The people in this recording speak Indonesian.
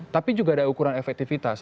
tapi juga ada ukuran efektivitas